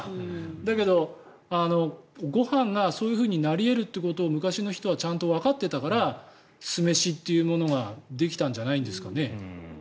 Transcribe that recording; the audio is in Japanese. だけどご飯がそういうふうになり得ることを昔の人はちゃんとわかっていたから酢飯っていうものができたんじゃないんですかね。